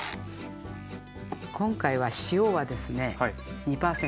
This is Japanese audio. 今回は塩はですね２％。